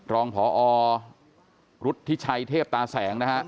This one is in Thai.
รองพอรุทธิชัยเทพตาแสงนะฮะ